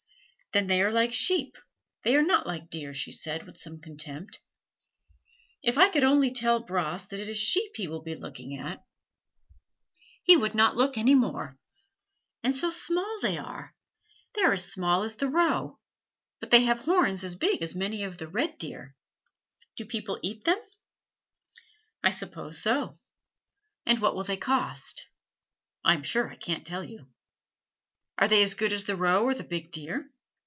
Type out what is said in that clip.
"Then they are like sheep they are not like deer," she said with some contempt. "If I could only tell Bras that it is sheep he will be looking at, he would not look any more. And so small they are! They are as small as the roe, but they have horns as big as many of the red deer. Do people eat them?" "I suppose so." "And what will they cost?" "I am sure I can't tell you." "Are they as good as the roe or the big deer?"